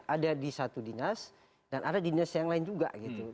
ada di satu dinas dan ada di dinas yang lain juga gitu